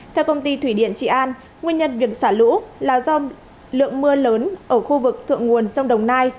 theo công ty thủy điện trị an nguyên nhân việc xả lũ là do lượng mưa lớn ở khu vực thượng nguồn sông đồng nai